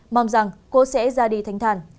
mong rằng cô sẽ ra đi thanh thản